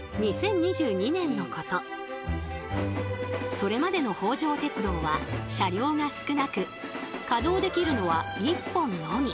それまでの北条鉄道は車両が少なく稼働できるのは１本のみ。